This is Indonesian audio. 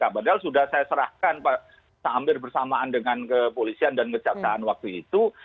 padahal sudah saya serahkan hampir bersamaan dengan kepolisian dan kejaksaan waktu itu